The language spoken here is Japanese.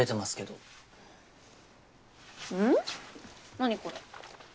何これ。